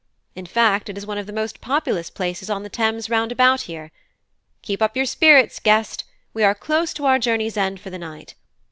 In fact, it is one of the most populous places on the Thames round about here. Keep up your spirits, guest! we are close to our journey's end for the night.